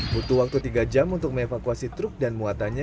butuh waktu tiga jam untuk mengevakuasi truk dan muatannya